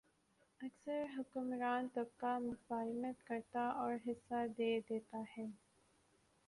اکثر حکمران طبقہ مفاہمت کرتا اور حصہ دے دیتا ہے۔